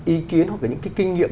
ý kiến hoặc là những cái kinh nghiệm